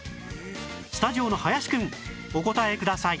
スタジオの林くんお答えください